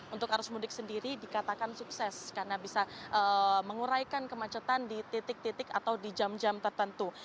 untuk arus mudik sendiri dikatakan sukses karena bisa menguraikan kemacetan di titik titik atau di jam jam tertentu